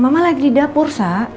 mama lagi di dapur sa